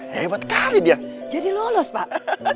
hebat sekali dia jadi lolos pak